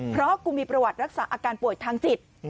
เพราะกูมีประวัติรักษาอาการป่วยทางจิต